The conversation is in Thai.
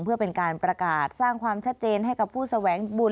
เพื่อเป็นการประกาศสร้างความชัดเจนให้กับผู้แสวงบุญ